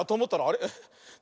あれ？